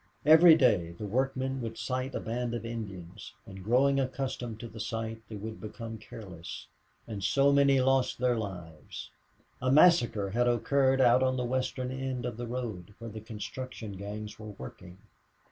Every day the workmen would sight a band of Indians, and, growing accustomed to the sight, they would become careless, and so many lost their lives. A massacre had occurred out on the western end of the road, where the construction gangs were working.